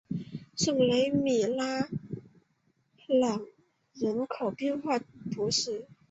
圣雷米拉瓦朗人口变化图示